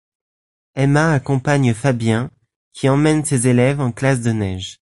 Emma accompagne Fabien, qui emmène ses élèves en classe de neige.